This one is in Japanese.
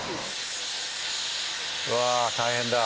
うわ大変だ。